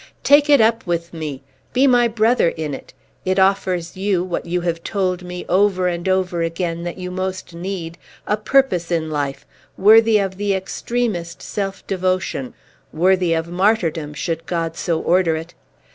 Take it up with me! Be my brother in it! It offers you (what you have told me, over and over again, that you most need) a purpose in life, worthy of the extremest self devotion, worthy of martyrdom, should God so order it!